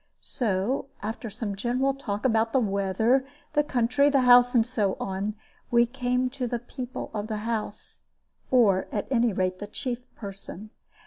So after some general talk about the weather, the country, the house, and so on, we came to the people of the house, or at any rate the chief person.